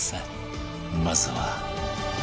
まずは